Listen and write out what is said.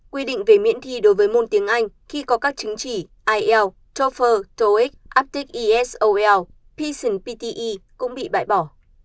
quy định về miễn thi đối với môn tiếng anh khi có các chứng chỉ il toefl toeic aptic esol pisn pte cũng bị bai bỏ